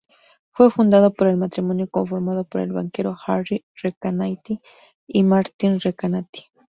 Fue fundado por el matrimonio conformado por el banquero Harry Recanati y Martine Recanati.